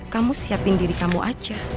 kamu siapin diri kamu aja